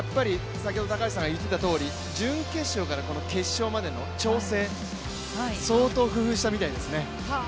先ほど高橋さんが言っていたとおり準決勝から決勝までの調整、相当工夫したみたいですね。